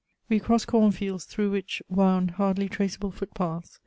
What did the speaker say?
We crossed cornfields through which wound hardly traceable footpaths.